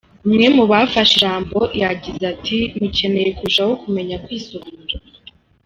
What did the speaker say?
Umwe mu bafashe ijambo yagize ati :”Mukeneye kurushaho kumenya kwisobanura.